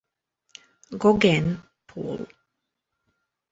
Gauguin, Paul.